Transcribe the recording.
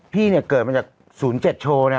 พี่เนี่ยเกิดมาจาก๐๗โชว์นะ